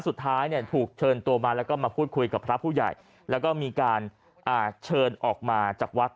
สุดท้ายเนี่ยถูกเชิญตัวมาแล้วก็มาพูดคุยกับพระผู้ใหญ่แล้วก็มีการเชิญออกมาจากวัด